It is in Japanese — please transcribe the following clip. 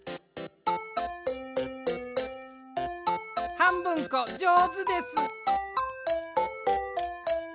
はんぶんこじょうずです。